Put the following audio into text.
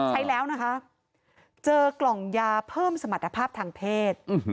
ใช้แล้วนะคะเจอกล่องยาเพิ่มสมรรถภาพทางเพศ